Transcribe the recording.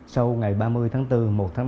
sau ngày ba mươi tháng bốn một tháng năm